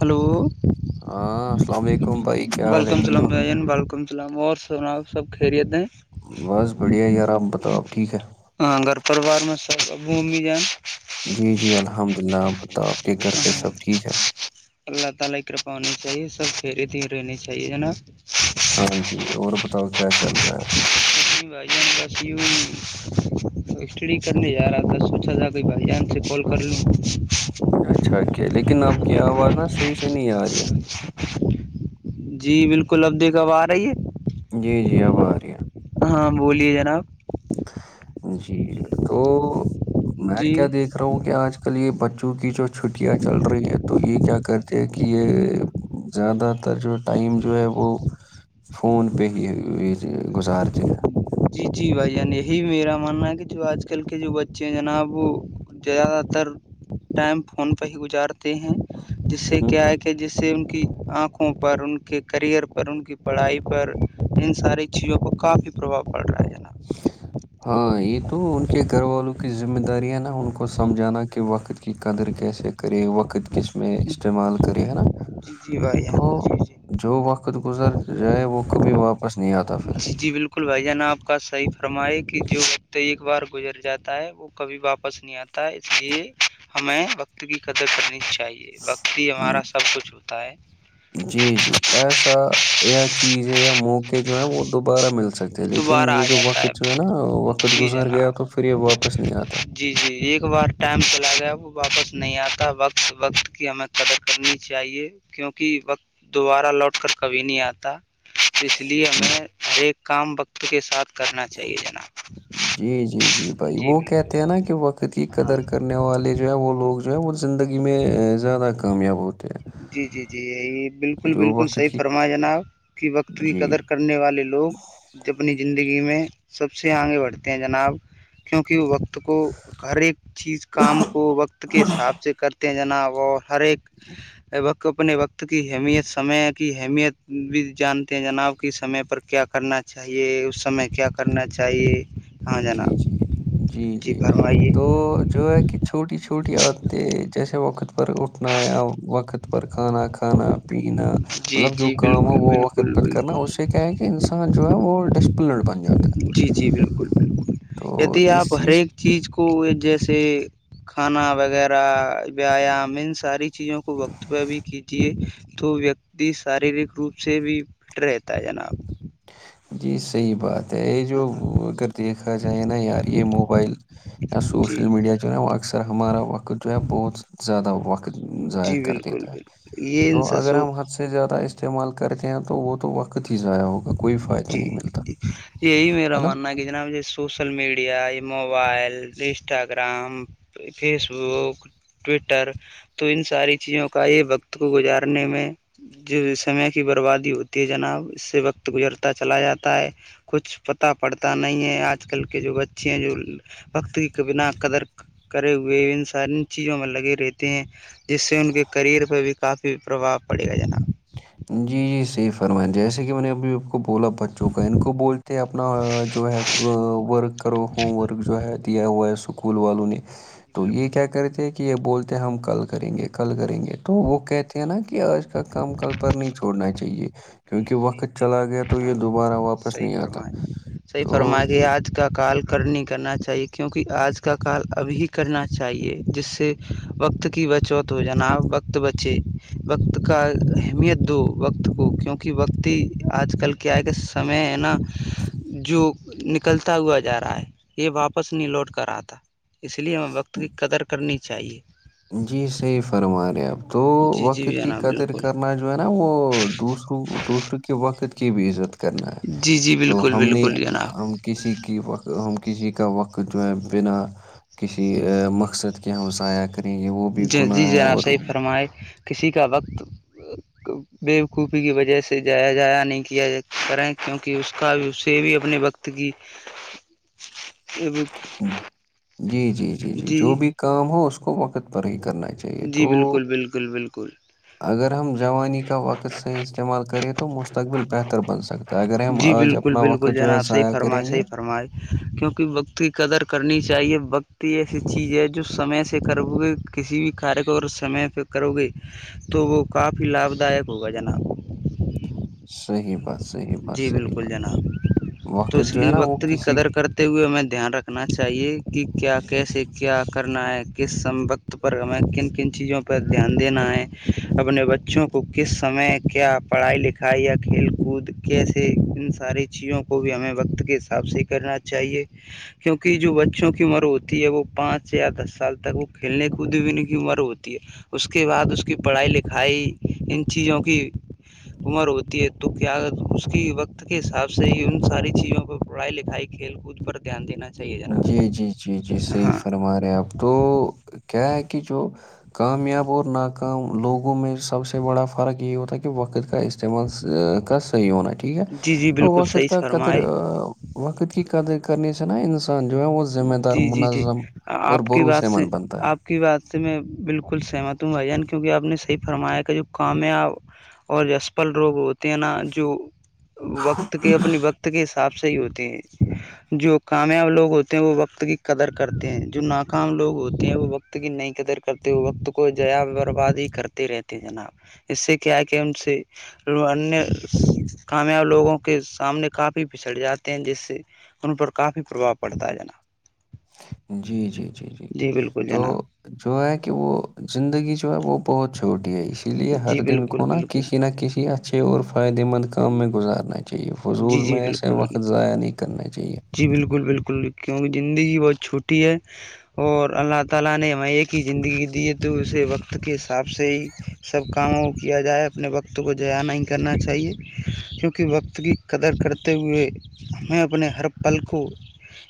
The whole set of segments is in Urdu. ہلو ہاں السلام علیکم بھائی کیا حال ہے ٹھیک ہو ین بالکم اسام اور سنا سب خیریت ہیں بس بڑھیا یار آپ بتاؤ آپ ٹھیک ہے ہاں گھر پرریوار میں سب اب ممی جائ جی جی الحمد للہ آپ بتاؤ آپ کے گھر پہ سب ہاں ٹھیک ہے [unintelligible] ہاں جی اور بتاؤ کیا چل رہا ہے بان ب پ ہو ایکچی کرنے جا رہا تھا سوچا جا کہ بھ جان سے کال کر لوں اچھا کیا لیکن اب کی آواز نا صحیح سےی نہیں آ رہی ہے [inaudible] جی بالکل اب دیکب آ رہی ہے جی جی ہباریا ہاں بولیے جناب جی تو میں جی کیا دیکھ رہا ہوں کہ آج کل یہ بچوں کی جو چھٹیاں چل رہی ہے تو یہ کیا کرتے ہیں کہ یہ زیادہ تر جو ٹائم جو ہے وہ فون پہ ہی گزارتے جی جی بھائی جان یہی میرا ماننا ہے کہ جو آج کل کے جو بچے ہیں جناب وہ زیادہ تر ٹائم فون پہ ہی گزارتے ہیں جس سے ہیں کیا ہے کہ کہ جس سے ان کی آنکھوں پر ان کے کییئر پر ان کی پڑھائی پر ان ساری چیزوں پر کافی پرباؤ پڑ رہا ہے نب ج ہاں یہ تو ان کے گھر والوں کی ذمہ داری ہے نا ان کو سمجھانا کہ وقت کی قدر کیسے کرے وقت کس میں جناب استعمال کرے ہے نا جی جی بھائی تو جی جی جو وقت گزر جائے وہ کبھی واپس پچ نہیں آتا تھا جی جی بالکل بھائی جان آپ کا صحیح فرمائے کہ جو ہفتے ایک بار گزر جاتا ہے وہ کبھی واپس نہیں آتا اس لیے ہمیں وقت کی قدر کرنی چاہی چاہیے وقتی ہمارا سب کچھ ہوتا ہے پسہ چیز یہ موقع جو ہے وہ دوبارہ مل سکتے ہیں دوبارہ لیکن یہ آ جو جاتا وقت جو ہے نا وقت جی گزر گیا تو پھر یہ جناب واپس نہیں آتا جی جی ایک بار ٹائم چلا گیا وہ واپس نہیں آتا وقت وقت کی ہمیں قدر کرنی چاہیے کیونکہ وقت دوبارہ لوٹ کر کبھی نہیں آتا تو اس لیے ہمیں ہر ایک کام وقت کے ساتھ کرنا چاہیے جناب جی جی جی بھائی وہ کہتے ہیں نا کہ وقت کی ہاں قدر کرنے والے جو ہے وہ لوگ جو ہے وہ زندگی میں زیادہ کامیاب ہوتے ہیں جی جی جی یہی بالکل جو بالکل وقت صحیح کی فرمایا جناب کی وقت کی جی قدر کر نے والے لوگ ج اپنی زندگی میں سب سے آگے بڑھتے ہیں جناب کیونکہ وقت کو ہر ایک چیز کام کو وقت کے حساب سے کرتے ہیں جنا وہ ہر ایک ت اپنے وقت کی اہمیت سمے کی اہمیت بھی جانتے ہیں جناب کی سم پر کیا کرنا چاہی چاہیے اس سمے کیا کرنا چاہیے ہاں جی جناب جی جی جی تو جو ہے کہ چھوٹی چھوٹی عاددیں جیسے وقت پر اٹھنا یا وقت پر کھانا کھانا پین جی مطلب جو جی کام ہو بالکل وہ بالکل وقت پت کرنا بالکل اس سے کیا ہے کہ انسان جو ہے وہ ڈسپلنڈ بن جاتا ہے جی جی بالکل بالکل تو یدی آپ اس ہر ایک چیز کو جیسے کھانا وغیرہ ویایام ان ساری چیزوں کو وقتبیہ بھی کیجیے تو ویکتی شاریرک روپ سے بھی فٹ رہتا ہے جناب جی صحیح بات ہے یہ جو ہاں اگر دیکھا جائے نا یار یہ موبائل یا جی سوشل میڈیا جو ہے وہ اکثر ہمارا وقت جو ہے بہت زیادہ وقت ضائع کر دیتا ہے تو ین سست اگر ہم حد سے زیادہ استعمال کرتے ہیں تو وہ تو وقت ہی ضائع ہوگا کوئی فائدہ جی نہیں ملتا جی یہی میرا ماننا ہے کہ جناب سوشل میڈیا یہ موبائل انسٹاگرام فیسبک ٹویٹر تو ان ساری چیزوں کا یہ وقت کو گزارنے میں جو سمے کی بربادی ہوتی ہے جناب اس سے وقت گزرتا چلا جاتا ہے کچھ پتا پڑتا نہیں ہے آج کل کے جو بچے ہیں جو وقت کے بنا قدر کرے ہوئے ان سار چیزوں میں لگے رہتے ہیں جس سے ان کے کریئر پہ بھی کافی پرباؤ پڑے گا جناب جی جی صحیح فرمائیں جیسے کہ میں نے ابھی کو بولا بچوں کا ان کو بولتے اپنا جو ہے ورک کرو ہوم ورک جو ہے دیا ہوا ہے اسکول والوں نے تو یہ بالکل کیا کرے تھے کہ یہ بولتے ہیں ہم کل کریں گے کل کریں گے تو وہ کہتے ہیں نا کہ آج کا کام کل پر نہیں چھڑنا چاہیے صحیح کیونکہ وقت چلا گیا فرمایا تو یہ جناب دوبارہ واپس صحیح نہیں آتا فرمایا صحیح تو فرمایا کہ یہ آج کا کال کر نہیں کرنا چاہیے کیونکہ آج کا کال ابھی کرنا چاہیے جس سے وقت کی بچوت ہو جناب وقت بچے وقت کا اہمیت دو وقت کو کیونکہ وقت ہی آج کل کیا آئے کہ سمے ہے نا جو نکلتا ہوا جا رہا ہے یہ واپس نہیں لوٹ کر رہا تھا اس لیے ہمیں وقت کی قدر کرنی چاہیے جی صحیح فرما رہے آپ تو جی جی وقت کی جناب قدر بالکل کرنا جو ہے نا وہ دوسروں دوسروں کے وقت کی بھی عزت کرنا ہے جی جی تو بالکل ہم نے بالکل جناب ہم کسی کی وقت ہم کسی کا وقت جو ہے بنا کسی مقصد کی ہم سائق یہ وہ بھی ج جی گناہ ہے جنا آپ اور صحیح فرمائے کسی کا وقت [unintelligible] بےوقوفی کی وجہ سے جایا جایا نہیں کیا کریں کیونکہ اس کا بھی اسے بھی اپنے وقت کی [unintelligible] جی جی جی جی جو بھی کام ہو اس کو وقت پر ہی کرنا چاہیے جی تو بالکل بالکل بالکل اگر ہم جوانی کا وقت صحیح استعمال کریں تو مستقبل بہتر بن سکتا ہے اگر ہم جی آج بالکل اپنا وقت بالکل جو ہے جناب صحی ضائع کریں فرمائش گے صحی فرمائ کیونکہ بکتی قدر کرنی چاہیے بکتی ایسی چیز ہے جو سمے سے کرو گے کسی بھی کار کو اور سمے پہ کرو گے تو وہ کافی لابھ داک ہوگا جناب صحیح بس جی بالکل جناب تو وقت اس جو ہے لیے نا وہ وقت کی کسی قدر کر ت ہوئے ہمیں دھیان رکھنا چاہیے کہ کیا کیسے کیا کرنا ہے کس سمبقت پر میںیں کن کن چیزوں پر پر دھیان دینا ہے اپنے بچوں کو کس سمے کیا پڑھائی لکھائی یا کھیل کود کیسے ان ساری چیزوں کو بھی ہمیں وقت کے حساب سے کرنا چاہیے کیونکہ جو بچوں کی عمر ہوتی ہے وہ پانچ سے یا دس سال تک وہ کھیلنے کود بھی ان کی عمر ہوتی ہے اس کے بعد اس کی پڑھائی لکھائی ان چیزوں کی عمر ہوتی ہے تو کیا اس کی وقت کے حساب سے ہی ان ساری چیزوں پر پڑھائی لکھائی کھیل کود پر دھیانینا چاہیے جناب جی جی جی جی صحیح ہاں فرما رہے اپ تو کیا ہے کہ جو کامیاب اور ناکام لوگوں میں سب سے بڑا فرق یہ ہوتا ہے کہ وقت کا کس جی جی بالکل صحیح فرمائے وقت قدرت قر انان جو ہے وہ ذمہ دار جی جی جی منظم اور آپ کی بات سے بروسمند بنتا ہے آپ کی بات سے میں بالکل سہمت ہوں بھائی جان کیونکہ آپ نے صح فرمایا کا جو کام ہے آپ اور جو اسپل روگ ہوتے ہیں نا جو وقت کے اپنے وقت کے حساب سے ہی ہوتے ہیں جو کامیاب لوگ ہوتے وہ وقت کی قدر کرتے ہیں جو ناکام لوگ ہوتے ہیں وہ وقت کی نہیں قدر کرتے وقت کو جیا برباد ہی کرتے رہتے جناب اس سے کیا ہے کہ ہم سے انیہ کامیاب لوگوں کے سامنے کافی پسڑ جاتے ہیں جس سے ان پر کافی پرباؤ پڑتا ہے جناا جی جی جی جی تو جناب جو ہے کہ وہ زندگی جو ہے وہ بہت چھوٹی ہے اس اس لیے جی ہر دن بالکل کو نا بالکل کسی نہ کسی اچھے اور فائدے مند کام میں گزارنا چاہیے فضول جی جی میں ایسے بالکل وقت ضائع نہیں کرنا چاہیے جی بالکل بالکل کیونکہ زندگی بہت چھوٹی ہے اور اللہ تعالی نے م کی زندگی دیے تو اسے وقت کے حساب سے ہی سب کاموں کو کیا جائے اپنے وقت کو جیا نہیں کرنا چاہیے کیونکہ وقت کی قدر کرتے ہوئے ہمیں اپنے ہر پل کو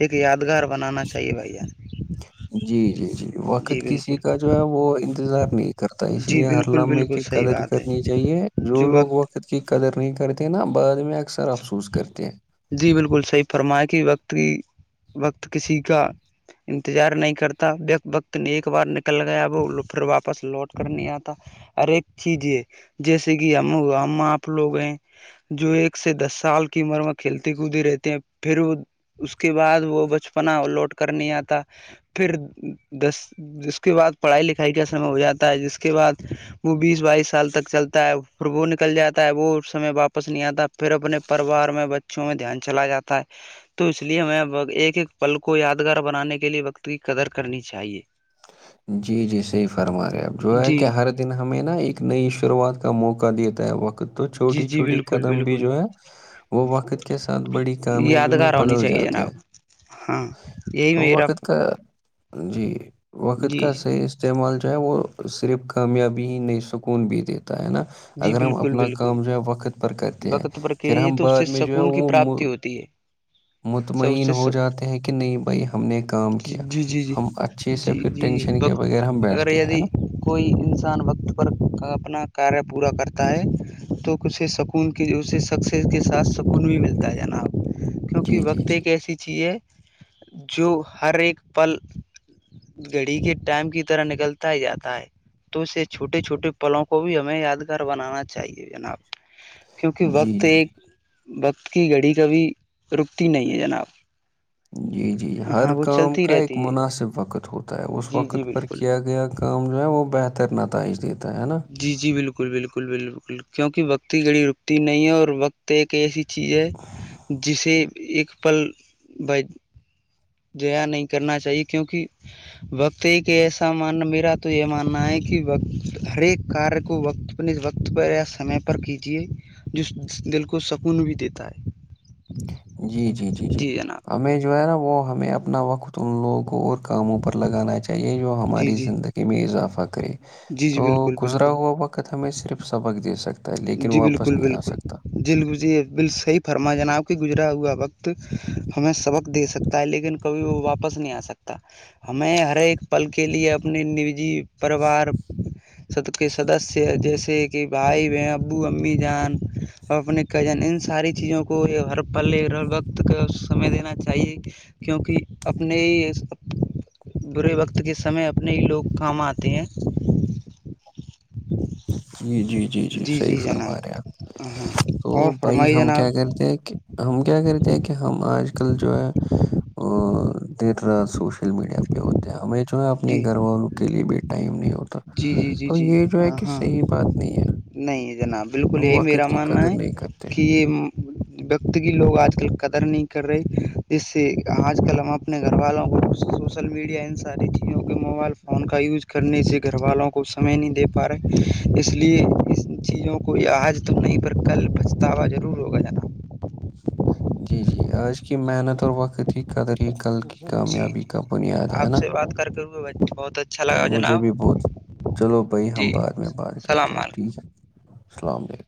ایک یادگار بنانا چاہیے بھیا جی جی جی وقت جی کسی بالکل کا جو ہے وہ انتظار نہیں کرتا اس جی لیے ہر بالکل لامے بالکل کہ صحیح قدر بات ہے کرنی چاہیے جو لوگ وقت قت کی قدر نہیں کرتے نا بعد میں اکثر افسوس کرتے ہیں جی بالکل صحیح فرمائے کہ وقت کی وقت کسی کا انتظار نہیں کرتا وقت نے ایک بار نکل گیا وہ پھر واپس لوٹ کر نہیں آتا ہر ایک چیز ہے جیسے کہ ہم ہم آپ لوگ ہیں جو ایک سے دس سال کی عمر م کھیلتی کودتے رہتے ہیں پھر وہ اس کے بعد وہ بچپنا لوٹ کر نہیں آتا پھر دس جس کے بعد پڑھائی لکھائی کا سمے ہو جاتا ہے جس کے بعد وہ بیس بائیس سال تک چلتا ہے پھر وہ نکل جاتا ہے وہ سمے واپس نہیں آتا پھر اپنے پریوار میں بچوں میں دھیان چلا جاتا ہے تو اس لیے ہمیں ایک ایک پل کو یادگار بنانے کے لیے وقت کی قدر کرنی چاہیے جی جی صحی فرما رہے اب جو ہے کہ جی ہر ن ہمیں نا ایک نئی شروعات کا موقع دییاتا ہے وقت تو جی چھوٹی جی چھوٹی بالکل قدم بھی بالکل جو ہے وہ وقت کے ساتھ بڑی کامیابی میں یادگار ہونی بدل چاہیے جاتے ہیں جناب ہاں یہی تو میرا وقت کا جی وقت جی کا صحیح استعمال جو ہے وہ صرف کامیابی ہی نہیں سکون بھی دیتا ہے نا جی اگر ہم بالکل اپنا بالکل کام جو ہے وقت پر کرتے ہیں وقت پر پھر کیجیے ہم تو اس بعد سے میں جو ہے سکون کی وہ پراپتی ہوتی ہے سب مطمئن سے ہو سب جاتے ہیں کہ نہیں بھائی ہم نے کام جی کیا جی جی ہم اچھے سے جی پھر جی ٹینشن کے بغیر وقت ہم اگر بیٹھتے ہیں یدی نا کوئی انسان وقت پر اپنا کاریہ پورا کرتا ہے تو اسے سکون کی اسے سکسیز کے ساتھ سکون بھی ملتا ہے ج نب کیونکہ جی جی وقت جی ایک ایسی چیز ہے جو ہر ایک پل گھڑی کے ٹائم کی طرح نکلتا ہی جاتا ہے تو اس سے چھوٹے چھوے پلوں کو بھی ہمیں یاد گھر بنانا چاہیے جناب کیونکہ جی وقت جی ایک وقت کی گھڑی کبھی رکتی نہیں ہے جناب جی جی ہر ہاں وہ کام چلتی کا ایک رہتی ہے مناسب وقت ہوتا ہے اس جی جی وقت پر بالکل کیا گیا کام جو ہے وہ بہتر نتائج دیتا ہے نا جی جی بالکل بالکل بالکل کیونکہ وقت کی گڑی رکتی نہیں ہے اور وقت ایک ایسی چیز ہے جسے ایک پل بائی جیا نہیں کرنا چاہیے کیونکہ وقت ایک ایسا ماننا میرا تو یہ ماننا ہے کہ وقت ہر ایک کار کو وقت اس وقت پر یا سمے پر کیجیے جو دل کو سکون بھی دیتا ہے جی جی جی جی ہمیں جو ہے نا وہ ہمیں اپنا وقت ان لوگ کو اور کاموں پر لگانا چاہی چاہی جو جی ہماری جی زندگی میں اضافہ کرے جی جی تو بالکل گزرا بالکل ہوا وقت ہمیں صرف سبق دے سکتا ہے لیکن واپس نہیں آ سکتا جل بزے بل صحی فرما جناب کہ گزرا ہوا وقت ہمیں سبق دے سکتا ہے لیکن کبھی وہ واپس نہیں آ سکتا ہمیں ہر ایک پل کے لیے اپنی نجی پریوار سد کے سدسیہ جیسے کہ بھائی بہن ابو امی جان اور اپنے کزن ان ساری چیزوں کو ہر پلےت کا سمے دینا چاہیے کیونکہ اپنے ہی برے وقت کے سمے اپنے ہی لوگ کام آتے ہیں جی جی جی جی صحیح فرما رہے آپ ہاں تو اور بھائی فرمائی ہم جناب کیا کرتے ہیں کہ ہم کیا کرتے ہیں کہ ہم آج کل جو ہے ا دیر رات سوشل میڈیا پہ ہوتے ہیں ہمیش جو ہے اپنے جی گھر والوں کے لیے بھی ٹائم نہیں ہوتا جی جی جی تو جی یہ جو ہے ہاں کہ ہاں صحیح بات نہیں ہے نہیں جناب بالکل ہم یہی وقت میرا کی ماننا قدر ہے نہیں کرتے کہ یہ وت کی لوگ آج کل قدر نہیں کر رہے جس سے آج کل ہمب اپنے گھر والوں کو رپ سے سوشل میڈیا ان ساری چیزوں کے موبائل فون کا یوز کرنے سے گھر والوں کو سمے نہیں دے پا رہے اس لیے ان چیزوں کو عج تو نہیں پر کل پچھتاوا ضرور ہوگا جانا جی جی آج کی جی محنت اور وقت کی قدر ہی کل کی جی کامیابی جی کا جی بنیاد ہے آپ نا سے بات کر کے ہوئے بہت اچھا لگا مجھے جناب بھی بہت چلو بھائی ہم جی بعد میں بات السلام کرتے ہیں علیکم ٹھیک ہے السلام علیکم